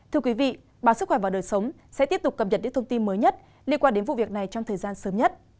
thưa quý vị báo sức khỏe và đời sống sẽ tiếp tục cập nhật những thông tin mới nhất liên quan đến vụ việc này trong thời gian sớm nhất